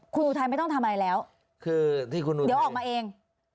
คุณอุทัยไม่ต้องทำอะไรแล้วเดี๋ยวออกมาเอง